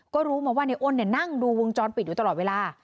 ก็รู้มาว่าในอ้นนั่งดูวงจรปิดอยู่ตลอดเวลา